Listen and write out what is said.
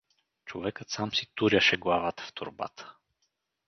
Човекът сам си туряше главата в торбата.